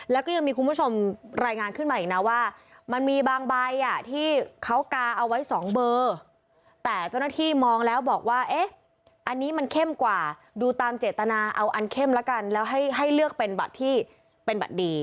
แล้วก็ยังมีคุณผู้ชมรายงานขึ้นมาอีกนะว่ามันมีบางใบอ่ะที่เขากาเอาไว้๒เบอร์แต่เจ้าหน้าที่มองแล้วบอกว่าเอ๊ะอันนี้มันเข้มกว่าดูตามเจตนาเอาอันเข้มแล้วกันแล้วให้เลือกเป็นบัตรที่เป็นบัตรดี